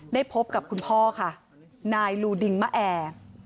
ได้พบกับคุณพ่อค่ะนายลูดิงมะแอร์